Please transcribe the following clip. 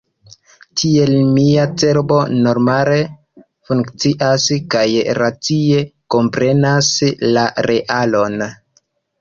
Tiel, mia cerbo normale funkcias kaj racie komprenas la realon.